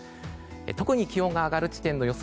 特に気温が上がる地点の予想